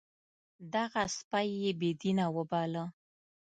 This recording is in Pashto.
دغه سپی یې بې دینه وباله.